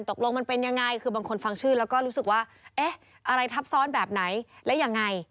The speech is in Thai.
ตกลงมันเป็นยังไงคือบางคนฟังชื่อแล้วก็รู้สึกว่าเอ๊ะอะไรทับซ้อนแบบไหนแล้วยังไง